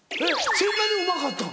そんなにうまかったん？